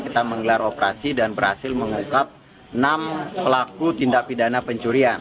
kita menggelar operasi dan berhasil mengungkap enam pelaku tindak pidana pencurian